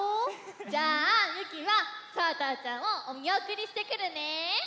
じゃあゆきはさぁたぁちゃんをおみおくりしてくるね。